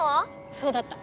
そうだった！